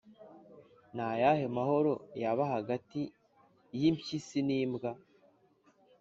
Ni ayahe mahoro yaba hagati y’impyisi n’imbwa?